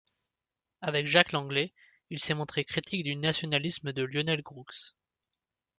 Avec Jacques Langlais, il s'est montré critique du nationalisme de Lionel Groulx.